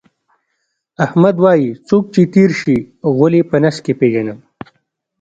احمد وایي: څوک چې تېر شي، غول یې په نس کې پېژنم.